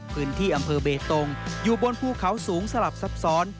พื้นที่อำเภอเบตงอยู่บนภูเขาสูงสลับซับซ้อน